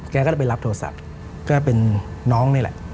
ก็จะไปรับโทรศัพท์ก็เป็นน้องนี่แหละ